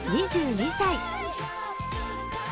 ２２歳。